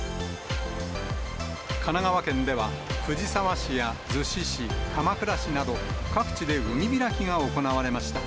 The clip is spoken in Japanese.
神奈川県では、藤沢市や逗子市、鎌倉市など、各地で海開きが行われました。